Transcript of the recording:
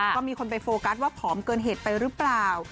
ก็มีคนไปโฟกัสว่าผอมเกินเหตุไปหรือเปล่า